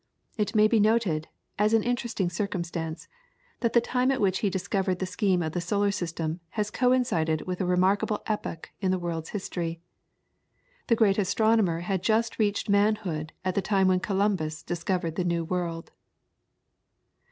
It may be noted, as an interesting circumstance, that the time at which he discovered the scheme of the solar system has coincided with a remarkable epoch in the world's history. The great astronomer had just reached manhood at the time when Columbus discovered the new world.